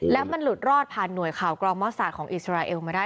แล้วมันหลุดรอดผ่านหน่วยข่าวกรองมศาสตของอิสราเอลมาได้